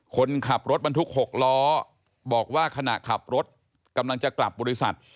คนขับรถบรรทุก๖ล้อบอกว่าขณะขับรถกำลังจะกลับบริษัท